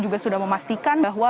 juga sudah memastikan bahwa